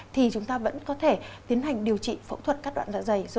thì chúng ta vẫn có thể tiến hành điều trị phẫu thuật cắt đoạn dạ dày